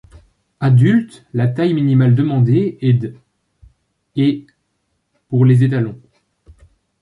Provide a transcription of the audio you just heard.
Adulte, la taille minimale demandée est d', et pour les étalons.